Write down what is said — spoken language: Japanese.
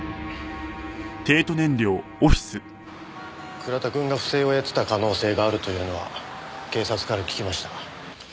倉田君が不正をやっていた可能性があるというのは警察から聞きました。